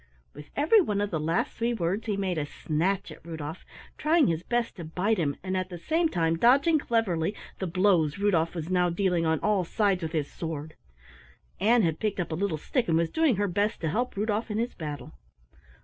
With every one of the last three words he made a snatch at Rudolf, trying his best to bite him, and at the same time dodging cleverly the blows Rudolf was now dealing on all sides with his sword. Ann had picked up a little stick and was doing her best to help Rudolf in his battle.